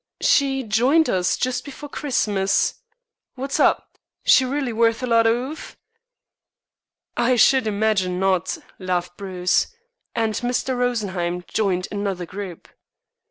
"She joined us just before Christmas. What's up? Is she really worth a lot of 'oof?" "I should imagine not," laughed Bruce; and Mr. Rosenheim joined another group.